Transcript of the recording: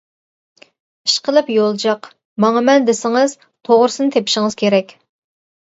ئىشقىلىپ يول جىق، ماڭىمەن دېسىڭىز توغرىسىنى تېپىشىڭىز كېرەك!